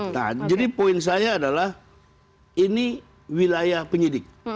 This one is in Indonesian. nah jadi poin saya adalah ini wilayah penyidik